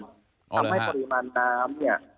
ทำให้ปริมาณน้ำเนี่ย